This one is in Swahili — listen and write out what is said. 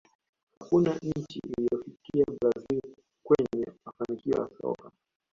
hakuna nchi inayofikia brazil kwenye mafanikio ya soka